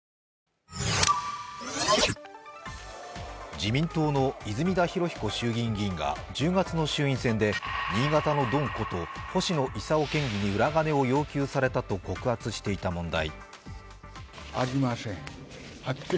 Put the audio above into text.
自民党の泉田裕彦衆院議員が１０月の衆院選で新潟のドンこと星野伊佐夫県議に裏金を要求されたと告発していた問題。